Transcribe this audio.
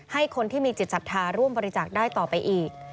ให้คนที่มีจิตศรัทธาร่วมบริจาคได้ต่อไปอีก